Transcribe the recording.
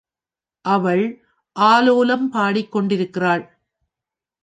அவள் ஆலோலம் பாடிக் கொண்டிருக்கிறாள்.